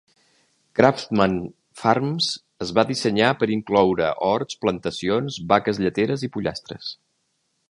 Craftsman Farms es va dissenyar per incloure horts, plantacions, vaques lleteres i pollastres.